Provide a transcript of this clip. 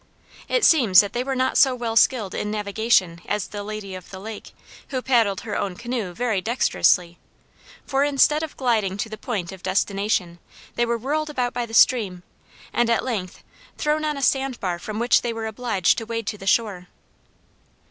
It seems that they were not so well skilled in navigation as the Lady of the Lake who paddled her own canoe very dexterously; for instead of gliding to the point of destination they were whirled about by the stream, and at length thrown on a sandbar from which they were obliged to wade to the shore.